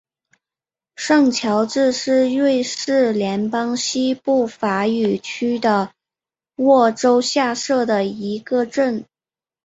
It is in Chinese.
圣乔治是瑞士联邦西部法语区的沃州下设的一个镇。